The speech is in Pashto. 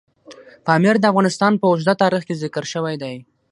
پامیر د افغانستان په اوږده تاریخ کې ذکر شوی دی.